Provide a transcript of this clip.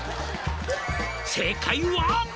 「正解は？」